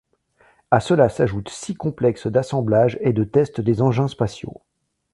À cela s'ajoutent six complexes d'assemblage et de test des engins spatiaux.